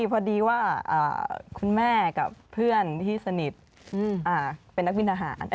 พอดีว่าคุณแม่กับเพื่อนที่สนิทเป็นนักบินทหาร